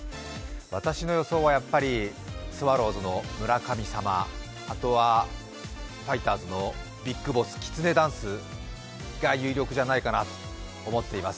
私の予想は、やっぱりスワローズの村神様、あとはファイターズのＢＩＧＢＯＳＳ、きつねダンスが有力じゃないかなと思っています。